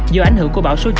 do ảnh hưởng của bão số chín